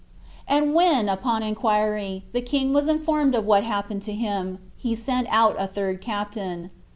And when, upon inquiry, the king was informed of what happened to him, he sent out a third captain.